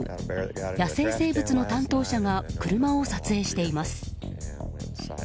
野生生物の担当者が車を撮影しています。